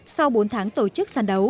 sau bốn tháng tổ chức sàn đấu